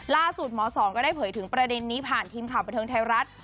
ล่าสุดหมอสองก็ได้เผยถึงประเด็นนี้ผ่านทีมข่าวบันเทิงไทยรัฐ